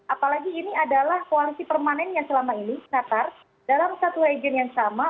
apalagi ini adalah koalisi permanen yang selama ini qatar dalam satu region yang sama